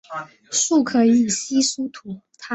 树可以算是稀疏图。